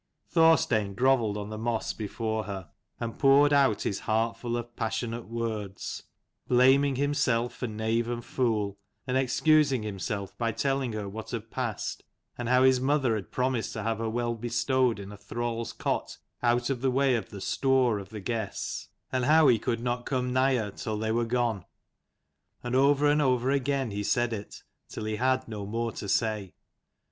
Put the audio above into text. Thorstein grovelled on the moss before her, 165 and poured out his heartful of passionate words : blaming himself for knave and fool : and excusing himself by telling her what had passed, and how his mother had promised to have her well bestowed in a thrall's cot, out of the way of the stoore of the guests : and how he could not come nigh her till they were gone : and over and over again he said it, till he had no more to say.